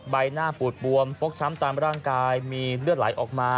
ใบหน้าปูดบวมฟกช้ำตามร่างกายมีเลือดไหลออกมา